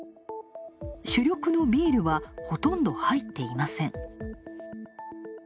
主力のビールは、ほとんど入っていません。